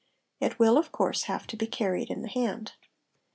It will of course have to be carried in the hand.